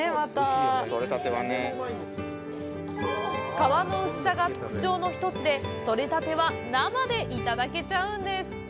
皮の薄さが特徴の一つで、取れたては生でいただけちゃうんです。